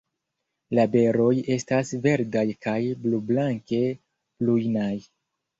La beroj estas verdaj kaj blublanke prujnaj.